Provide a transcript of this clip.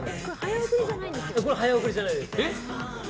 早送りじゃないです。